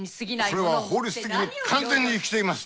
これは法律的に完全に生きています。